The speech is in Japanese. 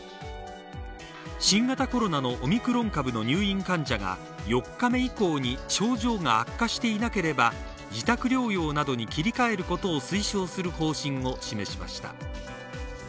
新型コロナのオミクロン株の入院患者が４日目以降に症状が悪化していなければ自宅療養などに切り替えることを推奨する方針を示しました。